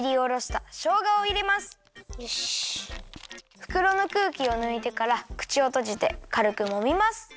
ふくろのくうきをぬいてからくちをとじてかるくもみます。